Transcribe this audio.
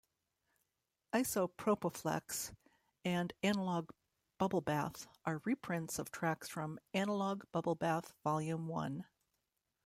"Isopropophlex" and "Analogue Bubblebath" are reprints of tracks from "Analogue Bubblebath Volume One".